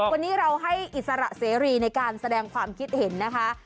วันนี้เราให้อิสระเสรีในการแสดงความคิดเห็นนะคะ